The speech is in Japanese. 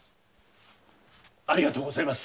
ありがとうございます。